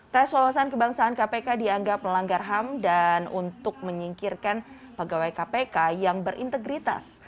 tes wawasan kebangsaan kpk dianggap melanggar ham dan untuk menyingkirkan pegawai kpk yang berintegritas